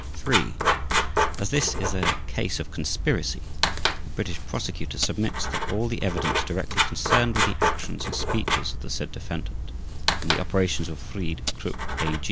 iii) As this is a case of conspiracy, the British Prosecutor submits that all the evidence directly concerned with the actions and speeches of the said defendant and the operations of Fried. Krupp A.